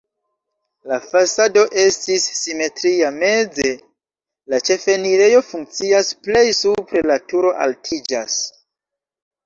La fasado estis simetria, meze la ĉefenirejo funkcias, plej supre la turo altiĝas.